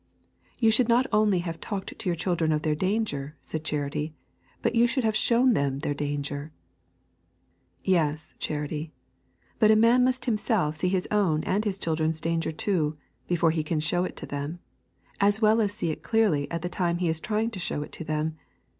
'You should not only have talked to your children of their danger,' said Charity, 'but you should have shown them their danger.' Yes, Charity; but a man must himself see his own and his children's danger too, before he can show it to them, as well as see it clearly at the time he is trying to show it to them.